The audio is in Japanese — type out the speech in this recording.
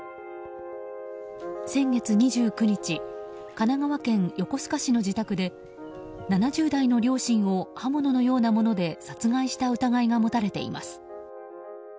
先月２９日神奈川県横須賀市の自宅で７０代の両親を刃物のようなもので殺害した疑いが持たれています。